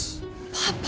パパ！？